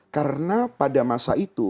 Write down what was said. karena pada masa itu